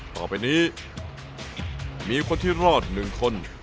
ต่อไปนี้มีคนที่รอด๑คน